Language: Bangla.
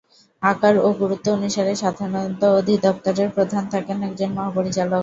আকার ও গুরুত্ব অনুসারে সাধারণত অধিদপ্তরের প্রধান থাকেন একজন মহাপরিচালক।